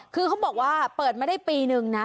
คือเขาบอกว่าเปิดมาได้ปีนึงนะ